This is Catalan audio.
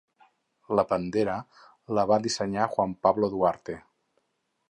La bandera la va dissenyar Juan Pablo Duarte.